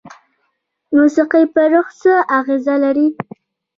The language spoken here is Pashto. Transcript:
موسیقي په روح څه اغیزه لري؟